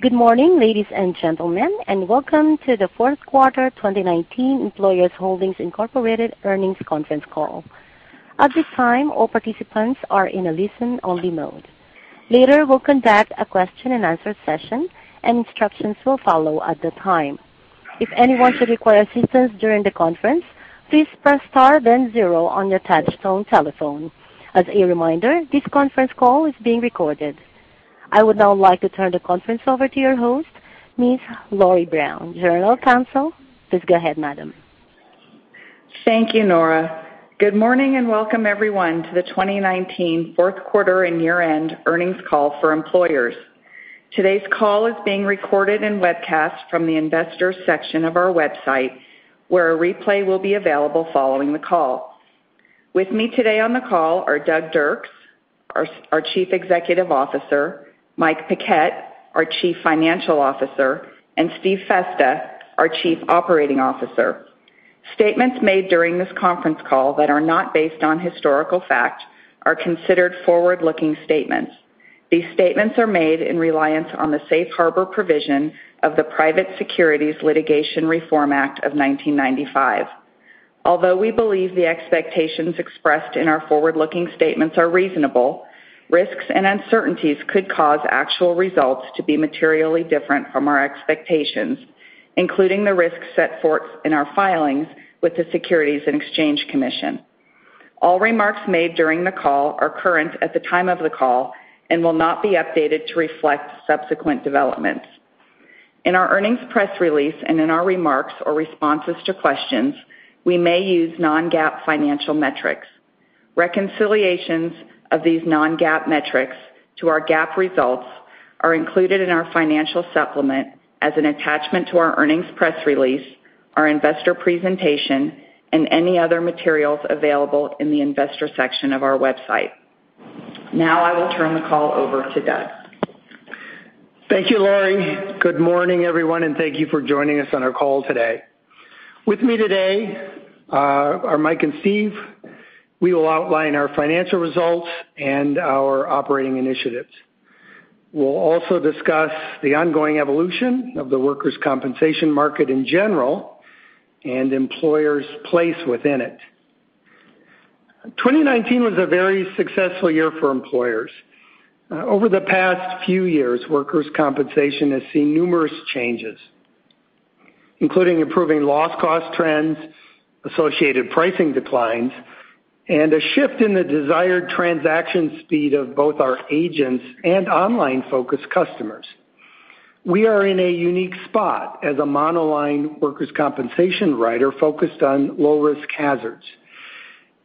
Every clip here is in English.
Good morning, ladies and gentlemen, and welcome to the fourth quarter 2019 Employers Holdings, Incorporated earnings conference call. At this time, all participants are in a listen-only mode. Later, we'll conduct a question and answer session, and instructions will follow at the time. If anyone should require assistance during the conference, please press star then zero on your touchtone telephone. As a reminder, this conference call is being recorded. I would now like to turn the conference over to your host, Ms. Lori Brown, General Counsel. Please go ahead, madam. Thank you, Nora. Good morning and welcome everyone to the 2019 fourth quarter and year-end earnings call for Employers. Today's call is being recorded and webcast from the investors section of our website, where a replay will be available following the call. With me today on the call are Doug Dirks, our Chief Executive Officer, Mike Paquette, our Chief Financial Officer, and Steve Festa, our Chief Operating Officer. Statements made during this conference call that are not based on historical fact are considered forward-looking statements. These statements are made in reliance on the safe harbor provision of the Private Securities Litigation Reform Act of 1995. Although we believe the expectations expressed in our forward-looking statements are reasonable, risks and uncertainties could cause actual results to be materially different from our expectations, including the risks set forth in our filings with the Securities and Exchange Commission. All remarks made during the call are current at the time of the call and will not be updated to reflect subsequent developments. In our earnings press release and in our remarks or responses to questions, we may use non-GAAP financial metrics. Reconciliations of these non-GAAP metrics to our GAAP results are included in our financial supplement as an attachment to our earnings press release, our investor presentation, and any other materials available in the investors section of our website. Now I will turn the call over to Doug. Thank you, Lori. Good morning, everyone, and thank you for joining us on our call today. With me today are Mike and Steve. We will outline our financial results and our operating initiatives. We'll also discuss the ongoing evolution of the workers' compensation market in general and Employers' place within it. 2019 was a very successful year for Employers. Over the past few years, workers' compensation has seen numerous changes, including improving loss cost trends, associated pricing declines, and a shift in the desired transaction speed of both our agents and online-focused customers. We are in a unique spot as a monoline workers' compensation writer focused on low-risk hazards,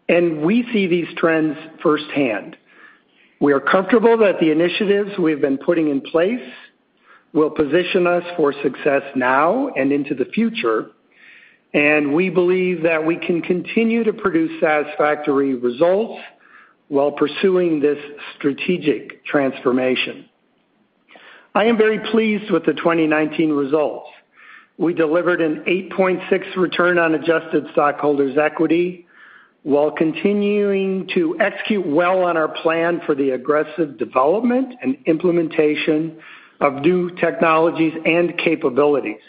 and we see these trends firsthand. We are comfortable that the initiatives we've been putting in place will position us for success now and into the future, and we believe that we can continue to produce satisfactory results while pursuing this strategic transformation. I am very pleased with the 2019 results. We delivered an 8.6 return on adjusted stockholders' equity while continuing to execute well on our plan for the aggressive development and implementation of new technologies and capabilities.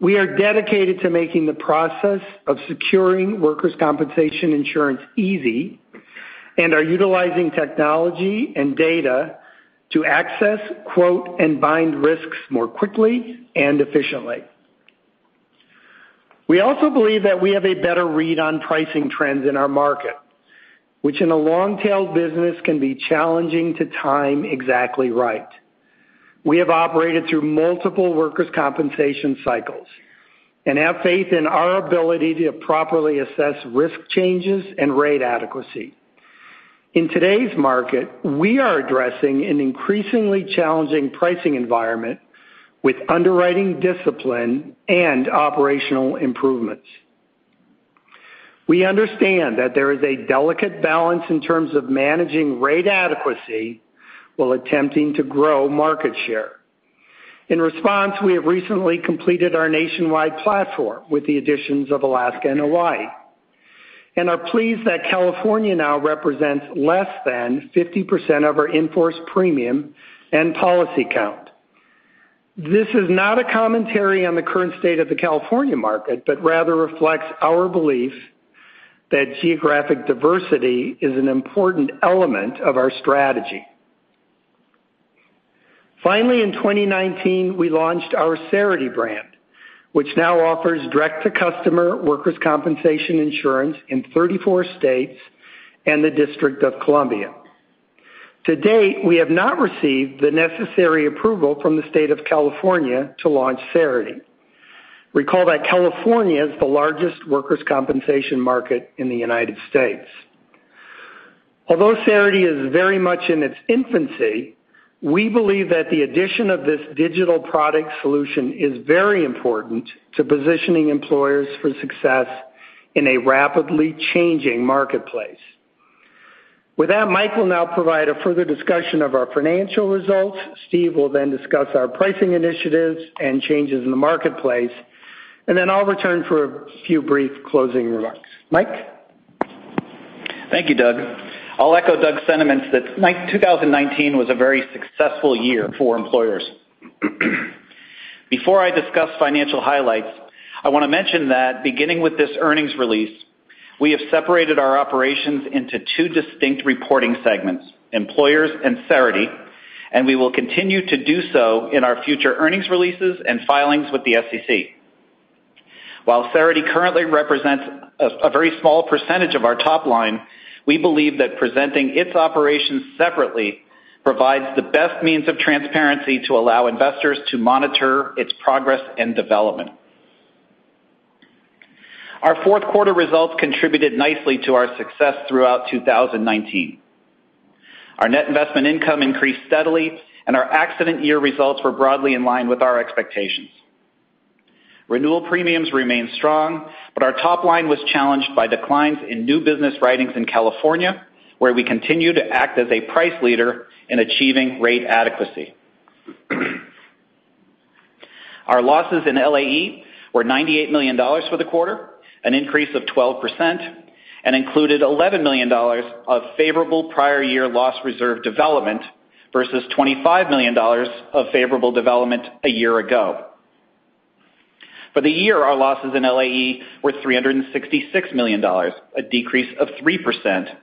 We are dedicated to making the process of securing workers' compensation insurance easy and are utilizing technology and data to access, quote, and bind risks more quickly and efficiently. We also believe that we have a better read on pricing trends in our market, which in a long-tail business can be challenging to time exactly right. We have operated through multiple workers' compensation cycles and have faith in our ability to properly assess risk changes and rate adequacy. In today's market, we are addressing an increasingly challenging pricing environment with underwriting discipline and operational improvements. We understand that there is a delicate balance in terms of managing rate adequacy while attempting to grow market share. In response, we have recently completed our nationwide platform with the additions of Alaska and Hawaii and are pleased that California now represents less than 50% of our in-force premium and policy count. This is not a commentary on the current state of the California market, but rather reflects our belief that geographic diversity is an important element of our strategy. Finally, in 2019, we launched our Cerity brand, which now offers direct-to-customer workers' compensation insurance in 34 states and the District of Columbia. To date, we have not received the necessary approval from the State of California to launch Cerity. Recall that California is the largest workers' compensation market in the United States. Although Cerity is very much in its infancy, we believe that the addition of this digital product solution is very important to positioning Employers for success in a rapidly changing marketplace. With that, Mike will now provide a further discussion of our financial results. Steve will then discuss our pricing initiatives and changes in the marketplace. I'll return for a few brief closing remarks. Mike? Thank you, Doug. I'll echo Doug's sentiments that 2019 was a very successful year for Employers. Before I discuss financial highlights, I want to mention that beginning with this earnings release, we have separated our operations into two distinct reporting segments, Employers and Cerity. We will continue to do so in our future earnings releases and filings with the SEC. While Cerity currently represents a very small percentage of our top line, we believe that presenting its operations separately provides the best means of transparency to allow investors to monitor its progress and development. Our fourth quarter results contributed nicely to our success throughout 2019. Our net investment income increased steadily. Our accident year results were broadly in line with our expectations. Renewal premiums remain strong, our top line was challenged by declines in new business writings in California, where we continue to act as a price leader in achieving rate adequacy. Our losses in LAE were $98 million for the quarter, an increase of 12%, and included $11 million of favorable prior year loss reserve development versus $25 million of favorable development a year ago. For the year, our losses in LAE were $366 million, a decrease of 3%,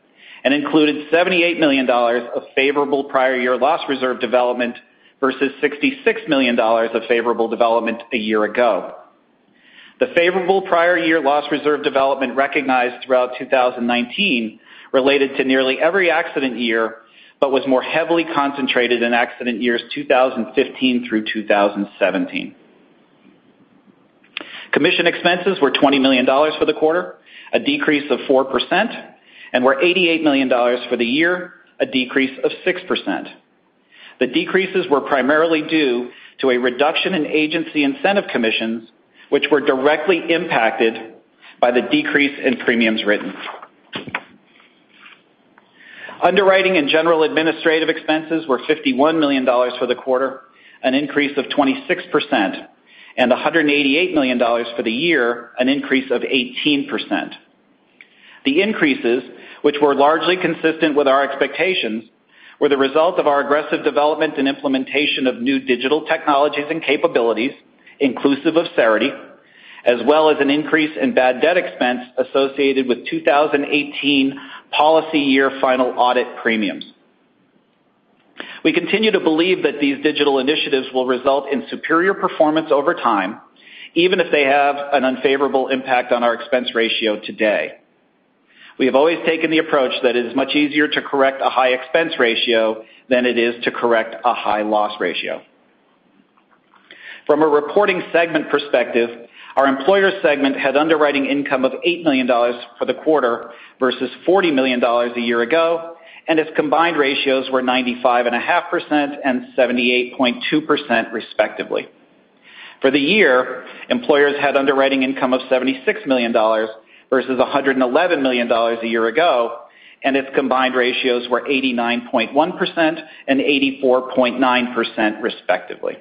and included $78 million of favorable prior year loss reserve development versus $66 million of favorable development a year ago. The favorable prior year loss reserve development recognized throughout 2019 related to nearly every accident year, but was more heavily concentrated in accident years 2015 through 2017. Commission expenses were $20 million for the quarter, a decrease of 4%, and were $88 million for the year, a decrease of 6%. The decreases were primarily due to a reduction in agency incentive commissions, which were directly impacted by the decrease in premiums written. Underwriting and general administrative expenses were $51 million for the quarter, an increase of 26%, and $188 million for the year, an increase of 18%. The increases, which were largely consistent with our expectations, were the result of our aggressive development and implementation of new digital technologies and capabilities, inclusive of Cerity, as well as an increase in bad debt expense associated with 2018 policy year final audit premiums. We continue to believe that these digital initiatives will result in superior performance over time, even if they have an unfavorable impact on our expense ratio today. We have always taken the approach that it is much easier to correct a high expense ratio than it is to correct a high loss ratio. From a reporting segment perspective, our Employers segment had underwriting income of $8 million for the quarter versus $40 million a year ago, and its combined ratios were 95.5% and 78.2% respectively. For the year, Employers had underwriting income of $76 million versus $111 million a year ago, and its combined ratios were 89.1% and 84.9% respectively.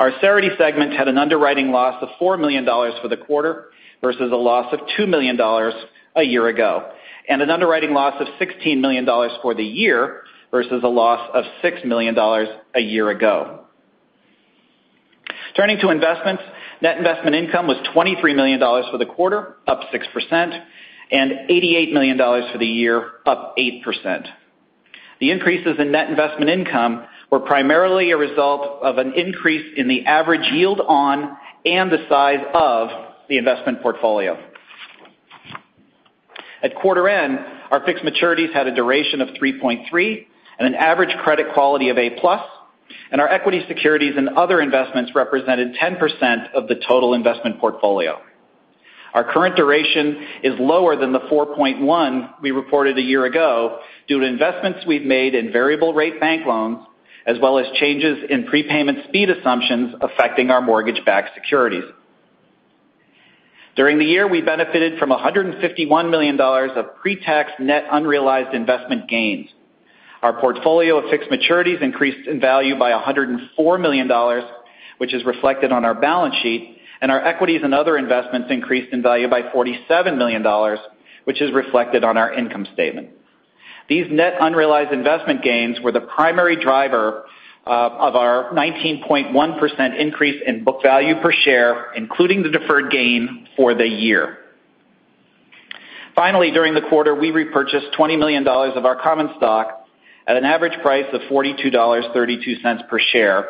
Our Cerity segment had an underwriting loss of $4 million for the quarter versus a loss of $2 million a year ago, and an underwriting loss of $16 million for the year versus a loss of $6 million a year ago. Turning to investments, net investment income was $23 million for the quarter, up 6%, and $88 million for the year, up 8%. The increases in net investment income were primarily a result of an increase in the average yield on, and the size of, the investment portfolio. At quarter end, our fixed maturities had a duration of 3.3 and an average credit quality of A+, and our equity securities and other investments represented 10% of the total investment portfolio. Our current duration is lower than the 4.1 we reported a year ago due to investments we've made in variable rate bank loans, as well as changes in prepayment speed assumptions affecting our mortgage-backed securities. During the year, we benefited from $151 million of pre-tax net unrealized investment gains. Our portfolio of fixed maturities increased in value by $104 million, which is reflected on our balance sheet, and our equities and other investments increased in value by $47 million, which is reflected on our income statement. These net unrealized investment gains were the primary driver of our 19.1% increase in book value per share, including the deferred gain for the year. Finally, during the quarter, we repurchased $20 million of our common stock at an average price of $42.32 per share,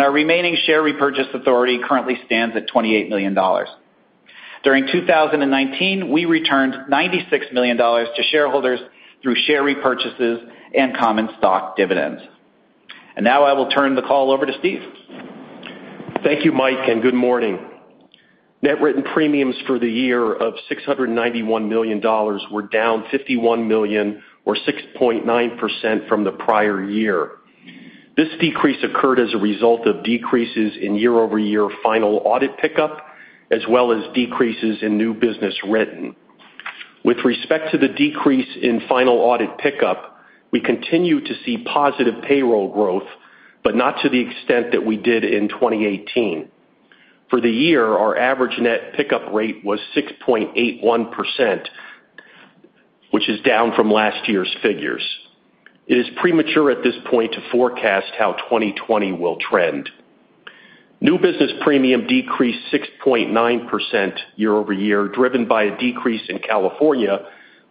our remaining share repurchase authority currently stands at $28 million. During 2019, we returned $96 million to shareholders through share repurchases and common stock dividends. Now I will turn the call over to Steve. Thank you, Mike, good morning. Net written premiums for the year of $691 million were down $51 million, or 6.9% from the prior year. This decrease occurred as a result of decreases in year-over-year final audit pickup, as well as decreases in new business written. With respect to the decrease in final audit pickup, we continue to see positive payroll growth, but not to the extent that we did in 2018. For the year, our average net pickup rate was 6.81%, which is down from last year's figures. It is premature at this point to forecast how 2020 will trend. New business premium decreased 6.9% year-over-year, driven by a decrease in California,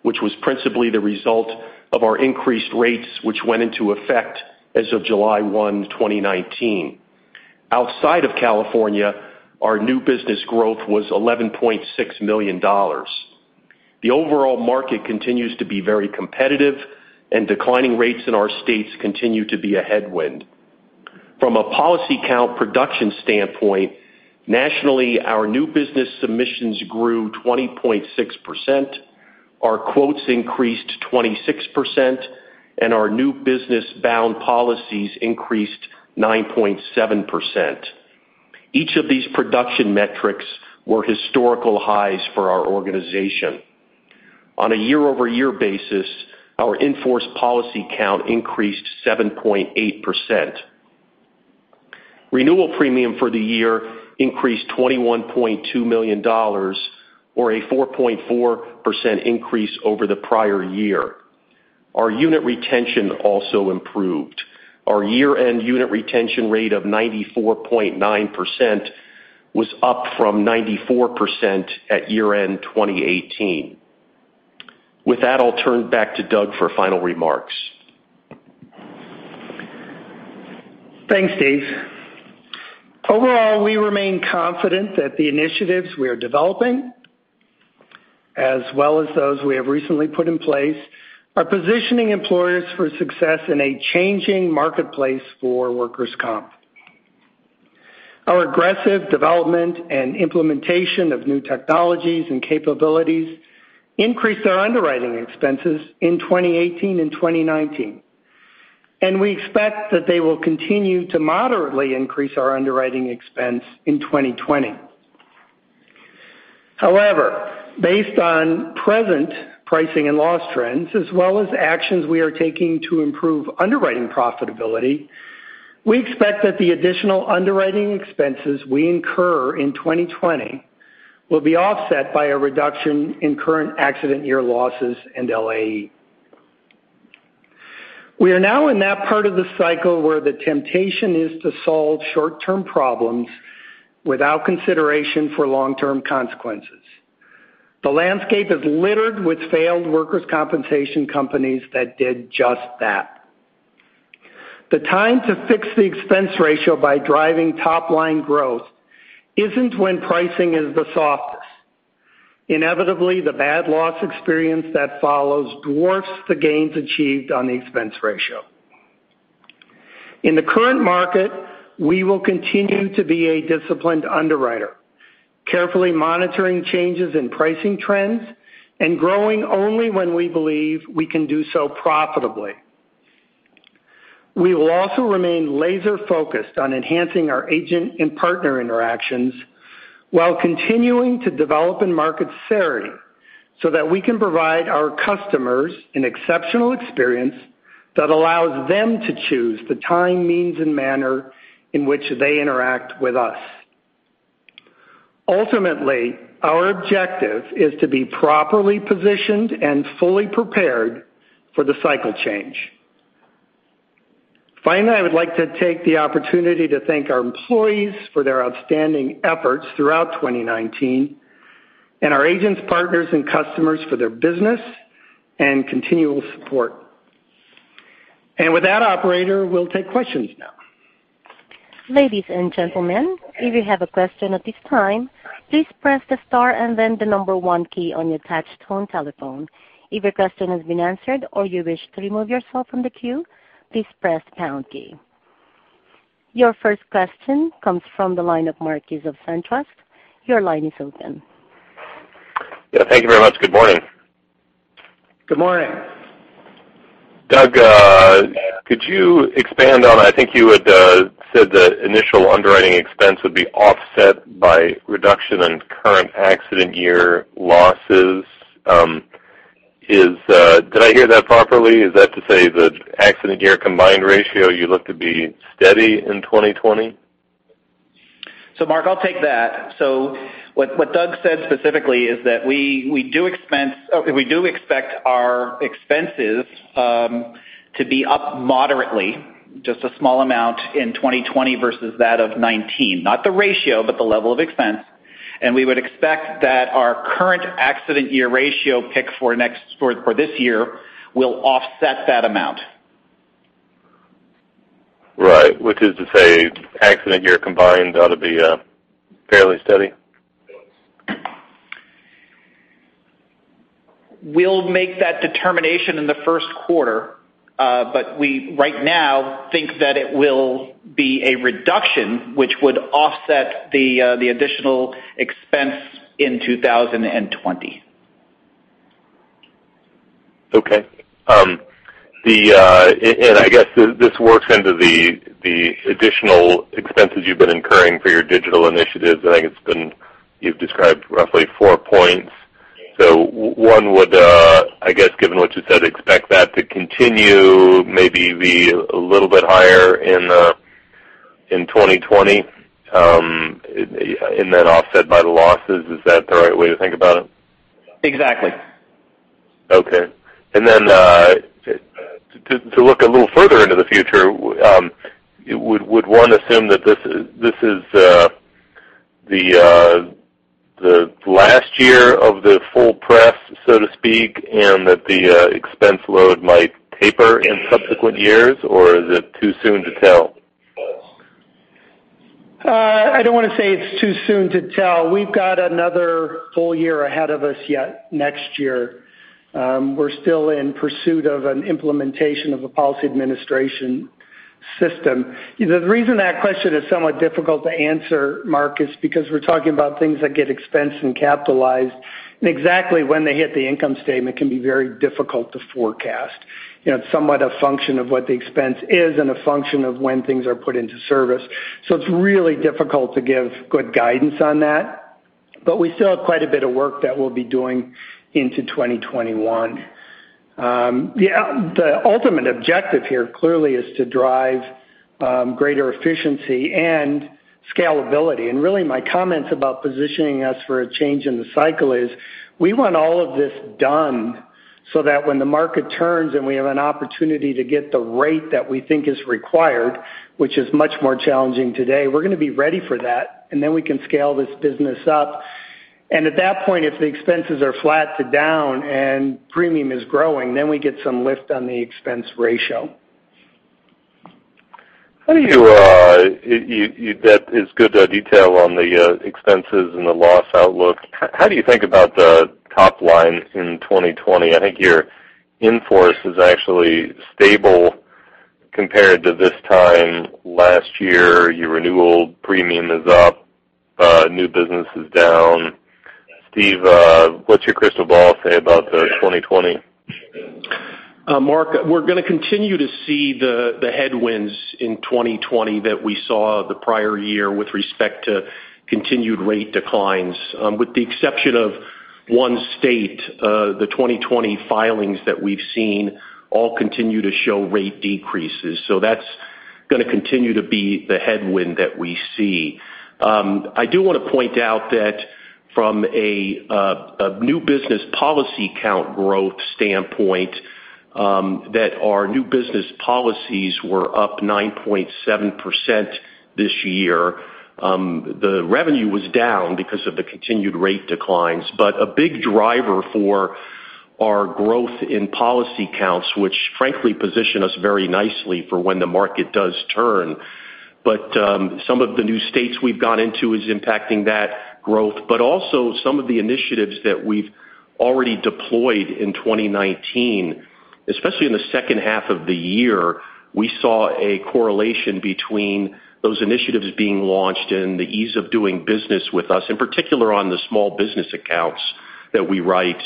which was principally the result of our increased rates, which went into effect as of July 1, 2019. Outside of California, our new business growth was $11.6 million. The overall market continues to be very competitive, declining rates in our states continue to be a headwind. From a policy count production standpoint, nationally, our new business submissions grew 20.6%, our quotes increased 26%, our new business bound policies increased 9.7%. Each of these production metrics were historical highs for our organization. On a year-over-year basis, our in-force policy count increased 7.8%. Renewal premium for the year increased $21.2 million, or a 4.4% increase over the prior year. Our unit retention also improved. Our year-end unit retention rate of 94.9% was up from 94% at year-end 2018. With that, I'll turn back to Doug for final remarks. Thanks, Steve. Overall, we remain confident that the initiatives we are developing, as well as those we have recently put in place, are positioning Employers for success in a changing marketplace for workers' compensation. Our aggressive development and implementation of new technologies and capabilities increased our underwriting expenses in 2018 and 2019, and we expect that they will continue to moderately increase our underwriting expense in 2020. However, based on present pricing and loss trends, as well as actions we are taking to improve underwriting profitability, we expect that the additional underwriting expenses we incur in 2020 will be offset by a reduction in current accident year losses and LAE. We are now in that part of the cycle where the temptation is to solve short-term problems without consideration for long-term consequences. The landscape is littered with failed workers' compensation companies that did just that. The time to fix the expense ratio by driving top-line growth isn't when pricing is the softest. Inevitably, the bad loss experience that follows dwarfs the gains achieved on the expense ratio. In the current market, we will continue to be a disciplined underwriter, carefully monitoring changes in pricing trends and growing only when we believe we can do so profitably. We will also remain laser-focused on enhancing our agent and partner interactions while continuing to develop and market Cerity so that we can provide our customers an exceptional experience that allows them to choose the time, means, and manner in which they interact with us. Ultimately, our objective is to be properly positioned and fully prepared for the cycle change. Finally, I would like to take the opportunity to thank our employees for their outstanding efforts throughout 2019 and our agents, partners, and customers for their business and continual support. With that, operator, we'll take questions now. Ladies and gentlemen, if you have a question at this time, please press the star and then the number one key on your touchtone telephone. If your question has been answered or you wish to remove yourself from the queue, please press pound key. Your first question comes from the line of Mark Hughes of SunTrust. Your line is open. Yeah, thank you very much. Good morning. Good morning. Doug, could you expand on, I think you had said that initial underwriting expense would be offset by reduction in current accident year losses. Did I hear that properly? Is that to say the accident year combined ratio, you look to be steady in 2020? Mark, I'll take that. What Doug said specifically is that we do expect our expenses to be up moderately, just a small amount in 2020 versus that of 2019. Not the ratio, but the level of expense. We would expect that our current accident year ratio pick for this year will offset that amount. Right. Which is to say accident year combined ought to be fairly steady? We'll make that determination in the first quarter. We, right now, think that it will be a reduction which would offset the additional expense in 2020. Okay. I guess this works into the additional expenses you've been incurring for your digital initiatives. I think you've described roughly four points. One would, I guess, given what you said, expect that to continue, maybe be a little bit higher in 2020, and then offset by the losses. Is that the right way to think about it? Exactly. Okay. To look a little further into the future, would one assume that this is the last year of the full press, so to speak, and that the expense load might taper in subsequent years, or is it too soon to tell? I don't want to say it's too soon to tell. We've got another full year ahead of us yet next year. We're still in pursuit of an implementation of a policy administration system. The reason that question is somewhat difficult to answer, Mark, is because we're talking about things that get expensed and capitalized, and exactly when they hit the income statement can be very difficult to forecast. It's somewhat a function of what the expense is and a function of when things are put into service. It's really difficult to give good guidance on that, but we still have quite a bit of work that we'll be doing into 2021. The ultimate objective here clearly is to drive greater efficiency and scalability. Really my comments about positioning us for a change in the cycle is we want all of this done so that when the market turns and we have an opportunity to get the rate that we think is required, which is much more challenging today, we're going to be ready for that, and then we can scale this business up. At that point, if the expenses are flat to down and premium is growing, then we get some lift on the expense ratio. That is good detail on the expenses and the loss outlook. How do you think about the top line in 2020? I think your in-force is actually stable compared to this time last year. Your renewal premium is up. New business is down. Steve, what's your crystal ball say about 2020? Mark, we're going to continue to see the headwinds in 2020 that we saw the prior year with respect to continued rate declines. With the exception of one state, the 2020 filings that we've seen all continue to show rate decreases. That's going to continue to be the headwind that we see. I do want to point out that from a new business policy count growth standpoint, that our new business policies were up 9.7% this year. The revenue was down because of the continued rate declines, but a big driver for our growth in policy counts, which frankly position us very nicely for when the market does turn. Some of the new states we've gone into is impacting that growth. Also some of the initiatives that we've already deployed in 2019, especially in the second half of the year, we saw a correlation between those initiatives being launched and the ease of doing business with us, in particular on the small business accounts that we write.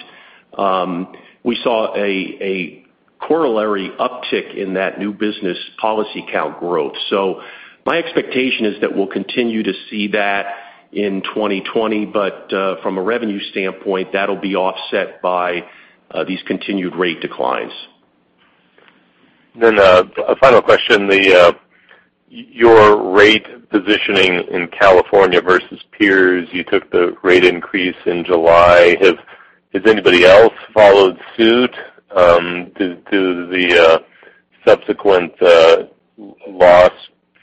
We saw a corollary uptick in that new business policy count growth. My expectation is that we'll continue to see that in 2020, but from a revenue standpoint, that'll be offset by these continued rate declines. A final question. Your rate positioning in California versus peers, you took the rate increase in July. Has anybody else followed suit? Do the subsequent loss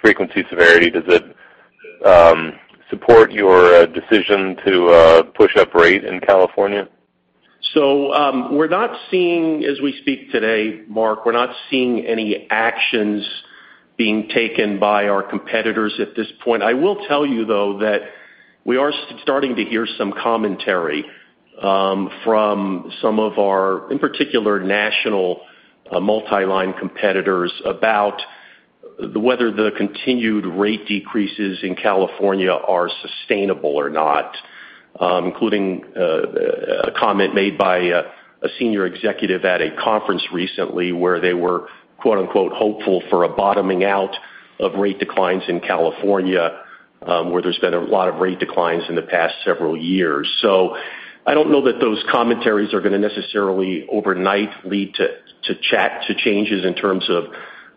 frequency severity, does it support your decision to push up rate in California? As we speak today, Mark, we're not seeing any actions being taken by our competitors at this point. I will tell you, though, that we are starting to hear some commentary from some of our, in particular, national multi-line competitors about whether the continued rate decreases in California are sustainable or not, including a comment made by a senior executive at a conference recently where they were "hopeful for a bottoming out of rate declines in California," where there's been a lot of rate declines in the past several years. I don't know that those commentaries are going to necessarily overnight lead to changes in terms of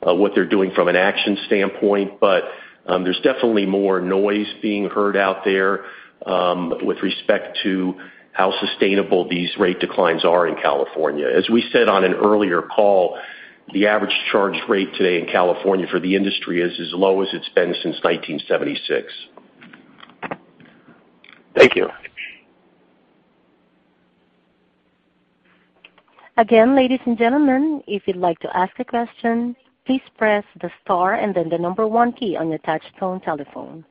what they're doing from an action standpoint. There's definitely more noise being heard out there with respect to how sustainable these rate declines are in California. As we said on an earlier call, the average charge rate today in California for the industry is as low as it's been since 1976. Thank you. Again, ladies and gentlemen, if you'd like to ask a question, please press the star and then the number one key on your touchtone telephone.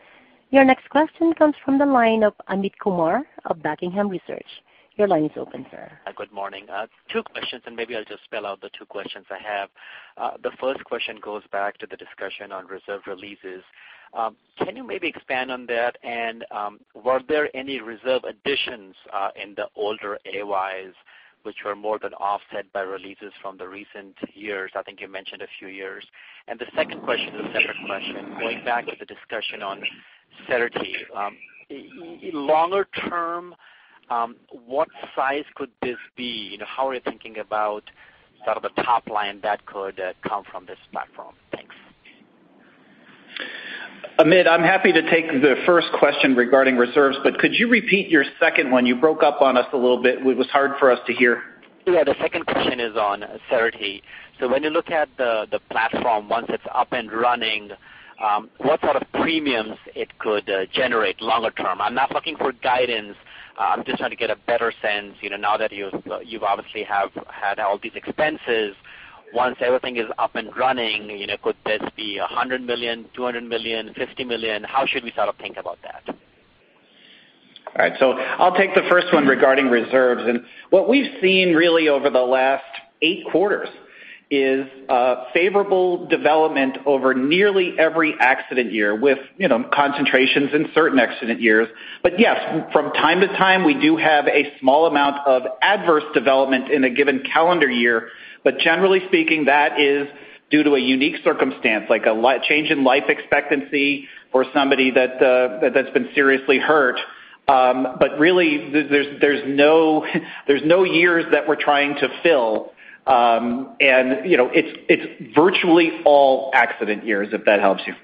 Your next question comes from the line of Amit Kumar of Buckingham Research. Your line is open, sir. Good morning. Two questions. Maybe I'll just spell out the two questions I have. The first question goes back to the discussion on reserve releases. Can you maybe expand on that? Were there any reserve additions in the older AYs which were more than offset by releases from the recent years? I think you mentioned a few years. The second question is a separate question, going back to the discussion on Cerity. Longer term, what size could this be? How are you thinking about sort of the top line that could come from this platform? Thanks. Amit, I'm happy to take the first question regarding reserves. Could you repeat your second one? You broke up on us a little bit. It was hard for us to hear. Yeah, the second question is on Cerity. When you look at the platform, once it's up and running, what sort of premiums it could generate longer term? I'm not looking for guidance. I'm just trying to get a better sense, now that you've obviously have had all these expenses, once everything is up and running, could this be $100 million, $200 million, $50 million? How should we sort of think about that? All right. I'll take the first one regarding reserves. What we've seen really over the last eight quarters is a favorable development over nearly every accident year with concentrations in certain accident years. Yes, from time to time, we do have a small amount of adverse development in a given calendar year. Generally speaking, that is due to a unique circumstance, like a change in life expectancy or somebody that's been seriously hurt. Really, there's no years that we're trying to fill. It's virtually all accident years, if that helps you.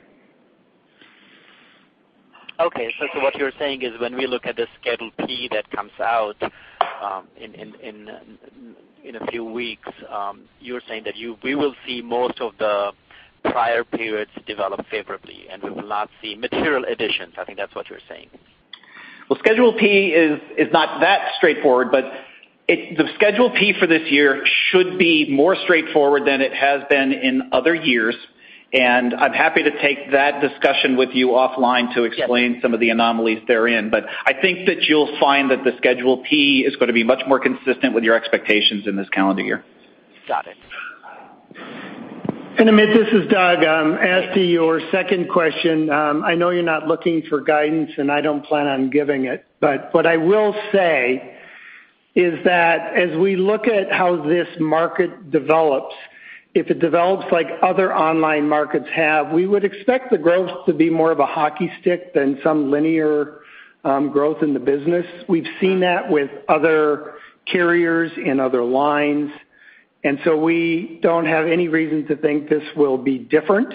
Okay. What you're saying is when we look at the Schedule P that comes out in a few weeks, you're saying that we will see most of the prior periods develop favorably, and we will not see material additions. I think that's what you're saying. Well, Schedule P is not that straightforward, the Schedule P for this year should be more straightforward than it has been in other years. I'm happy to take that discussion with you offline to explain some of the anomalies therein. I think that you'll find that the Schedule P is going to be much more consistent with your expectations in this calendar year. Got it. Amit, this is Doug. As to your second question, I know you're not looking for guidance. I don't plan on giving it. What I will say is that as we look at how this market develops, if it develops like other online markets have, we would expect the growth to be more of a hockey stick than some linear growth in the business. We've seen that with other carriers in other lines. We don't have any reason to think this will be different.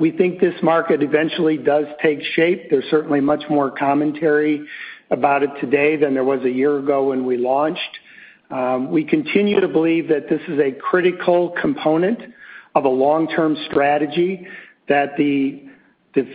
We think this market eventually does take shape. There's certainly much more commentary about it today than there was a year ago when we launched. We continue to believe that this is a critical component of a long-term strategy, that the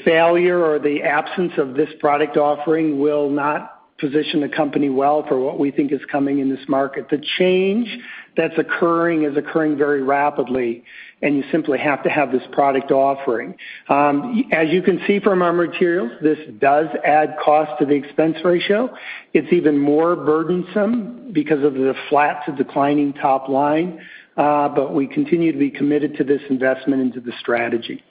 failure or the absence of this product offering will not position the company well for what we think is coming in this market. The change that's occurring is occurring very rapidly. You simply have to have this product offering. As you can see from our materials, this does add cost to the expense ratio. It's even more burdensome because of the flat to declining top line. We continue to be committed to this investment into the strategy.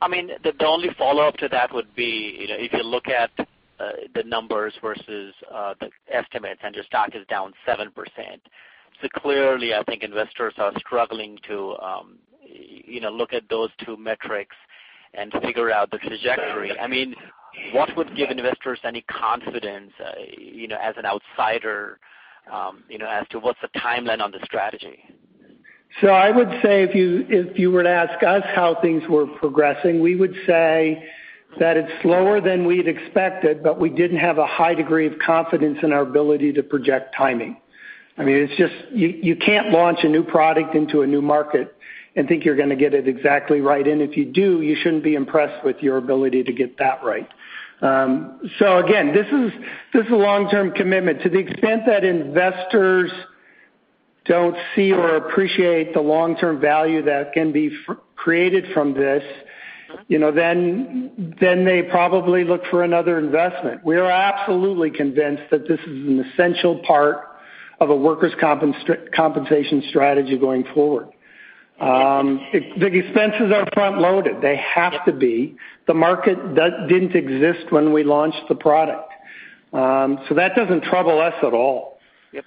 The only follow-up to that would be, if you look at the numbers versus the estimates, your stock is down 7%. Clearly, I think investors are struggling to look at those two metrics and figure out the trajectory. What would give investors any confidence, as an outsider, as to what's the timeline on the strategy? I would say if you were to ask us how things were progressing, we would say that it's slower than we'd expected, but we didn't have a high degree of confidence in our ability to project timing. I mean, you can't launch a new product into a new market and think you're going to get it exactly right. If you do, you shouldn't be impressed with your ability to get that right. Again, this is a long-term commitment. To the extent that investors don't see or appreciate the long-term value that can be created from this, then they probably look for another investment. We are absolutely convinced that this is an essential part of a workers' compensation strategy going forward. The expenses are front-loaded. They have to be. The market didn't exist when we launched the product. That doesn't trouble us at all. Yep.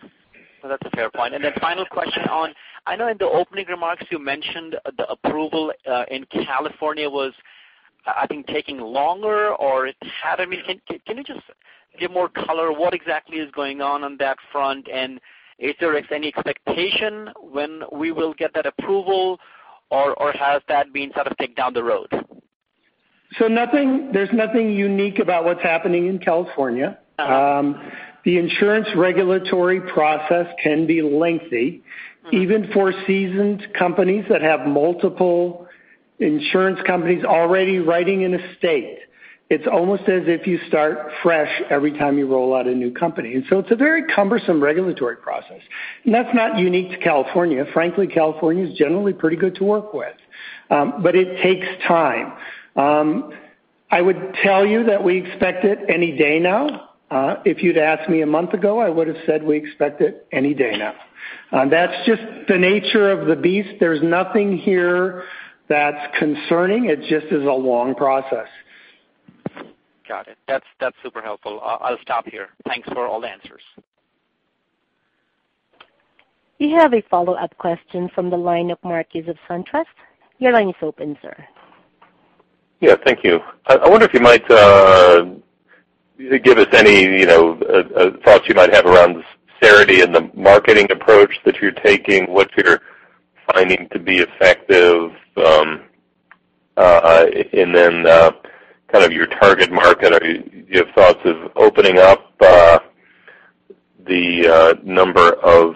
No, that's a fair point. The final question on, I know in the opening remarks you mentioned the approval in California was, I think, taking longer. I mean, can you just give more color what exactly is going on on that front? Is there any expectation when we will get that approval? Has that been sort of kicked down the road? There's nothing unique about what's happening in California. The insurance regulatory process can be lengthy, even for seasoned companies that have multiple insurance companies already writing in a state. It's almost as if you start fresh every time you roll out a new company. It's a very cumbersome regulatory process. That's not unique to California. Frankly, California's generally pretty good to work with. It takes time. I would tell you that we expect it any day now. If you'd asked me a month ago, I would've said we expect it any day now. That's just the nature of the beast. There's nothing here that's concerning. It just is a long process. Got it. That's super helpful. I'll stop here. Thanks for all the answers. You have a follow-up question from the line of Mark Hughes of SunTrust. Your line is open, sir. Yeah, thank you. I wonder if you might give us any thoughts you might have around Cerity and the marketing approach that you're taking, what you're finding to be effective, then your target market. Do you have thoughts of opening up the number of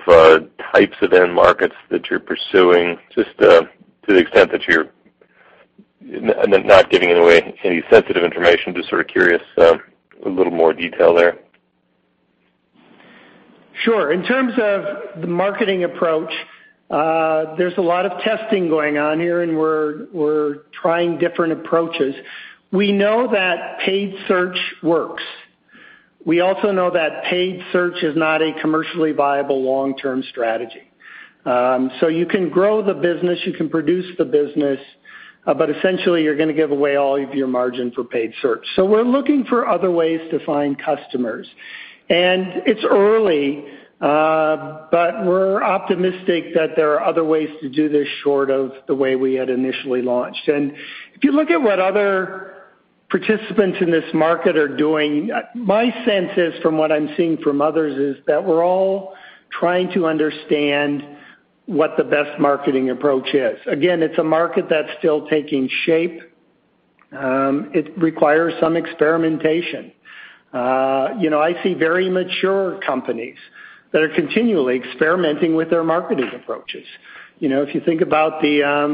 types of end markets that you're pursuing? To the extent that you're not giving away any sensitive information, sort of curious, a little more detail there. Sure. In terms of the marketing approach, there's a lot of testing going on here, and we're trying different approaches. We know that paid search works. We also know that paid search is not a commercially viable long-term strategy. You can grow the business, you can produce the business, but essentially you're going to give away all of your margin for paid search. We're looking for other ways to find customers. It's early, but we're optimistic that there are other ways to do this short of the way we had initially launched. If you look at what other participants in this market are doing, my sense is, from what I'm seeing from others, is that we're all trying to understand what the best marketing approach is. Again, it's a market that's still taking shape. It requires some experimentation. I see very mature companies that are continually experimenting with their marketing approaches. If you think about the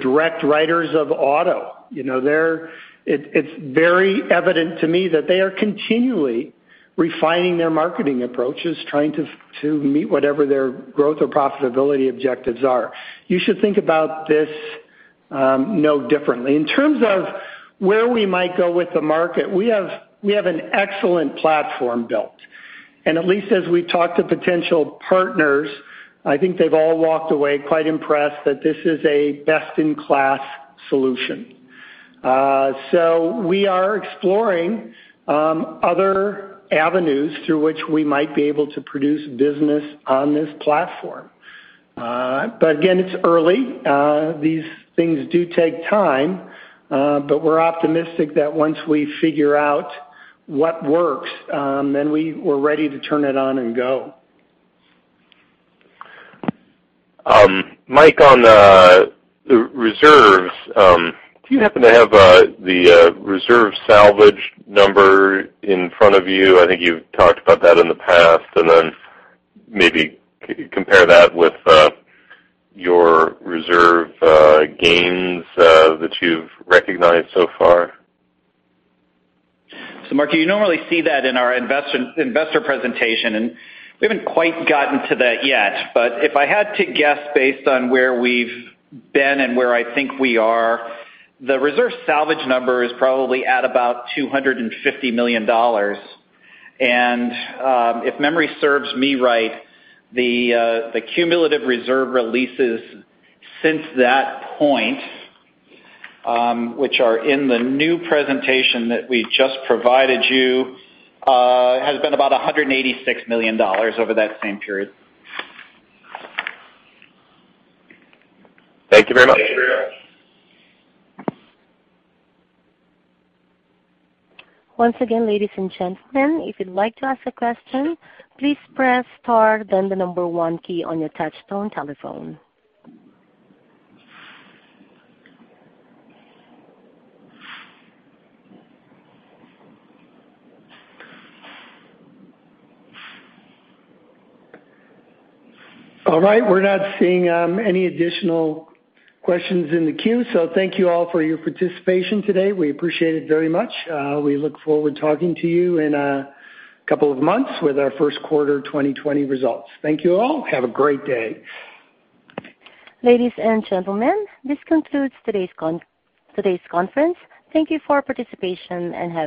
direct writers of auto, it's very evident to me that they are continually refining their marketing approaches, trying to meet whatever their growth or profitability objectives are. You should think about this no differently. In terms of where we might go with the market, we have an excellent platform built. At least as we talk to potential partners, I think they've all walked away quite impressed that this is a best-in-class solution. We are exploring other avenues through which we might be able to produce business on this platform. Again, it's early. These things do take time, we're optimistic that once we figure out what works, then we're ready to turn it on and go. Mike, on the reserves, do you happen to have the reserve salvage number in front of you? I think you've talked about that in the past, then maybe compare that with your reserve gains that you've recognized so far. Mark, you normally see that in our investor presentation, we haven't quite gotten to that yet. If I had to guess based on where we've been and where I think we are, the reserve salvage number is probably at about $250 million. If memory serves me right, the cumulative reserve releases since that point, which are in the new presentation that we just provided you, has been about $186 million over that same period. Thank you very much. Once again, ladies and gentlemen, if you'd like to ask a question, please press star then the number one key on your touchtone telephone. All right. We're not seeing any additional questions in the queue, thank you all for your participation today. We appreciate it very much. We look forward to talking to you in a couple of months with our first quarter 2020 results. Thank you all. Have a great day. Ladies and gentlemen, this concludes today's conference. Thank you for participation, and have a great day.